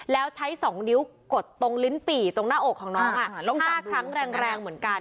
แล้วใช้๒นิ้วกดตรงลิ้นปี่ตรงหน้าอกของน้อง๕ครั้งแรงเหมือนกัน